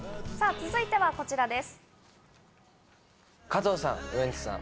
続いてはこちらです。